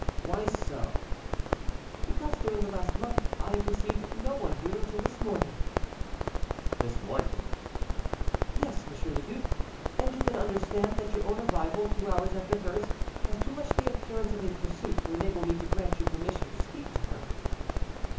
"Why so?" "Because, during the last month I have received no one here until this morning." "This morning?" "Yes, Monsieur le Duc, and you can understand that your own arrival, two hours after hers, has too much the appearance of a pursuit to enable me to grant you permission to speak to her."